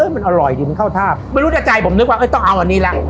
มันอร่อยกินข้าวทาบไม่รู้ในใจผมนึกว่าต้องเอาอันนี้แล้ว